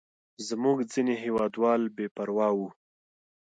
زموږ ځینې هېوادوال بې پروا وو.